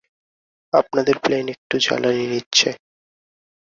আপনাদের প্লেন একটু জ্বালানি নিচ্ছে।